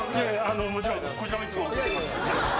もちろんこちらもいつも見てます